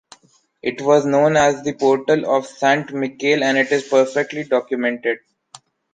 It was known as the portal of Sant Miquel and it is perfectly documented.